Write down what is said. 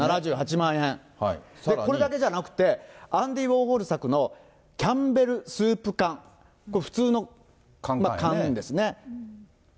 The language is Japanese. これだけじゃなくて、アンディ・ウォーホル作のキャンベル・スープ缶、これ、普通の缶ですね。